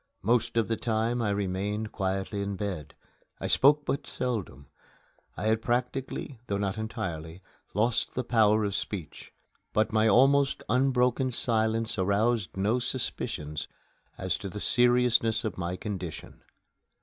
Most of the time I remained quietly in bed. I spoke but seldom. I had practically, though not entirely, lost the power of speech; but my almost unbroken silence aroused no suspicions as to the seriousness of my condition.